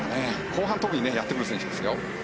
後半特にやってくる選手ですよ。